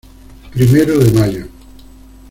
Primero de Mayo.